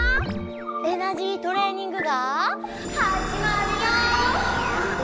「エナジートレーニング」がはじまるよ！